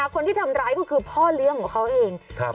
คนที่ทำร้ายก็คือพ่อเลี้ยงของเขาเอง